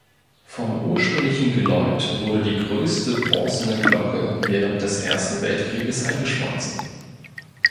Vom ursprünglichen Geläut wurde die größte bronzene Glocke während des Ersten Weltkrieges eingeschmolzen.